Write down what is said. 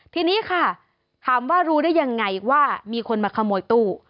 ทีนี้ค่ะถามว่ารู้ได้ยังไงว่ามีคนมาขโมยตู้